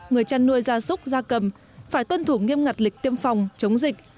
người chăn nuôi gia súc gia cầm phải tuân thủ nghiêm ngặt lịch tiêm phòng chống dịch